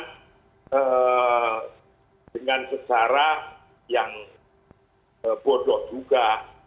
karena dengan secara yang bodoh juga